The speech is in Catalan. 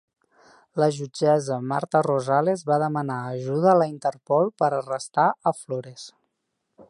La jutgessa Marta Rosales va demanar ajuda a la Interpol per arrestar a Flores.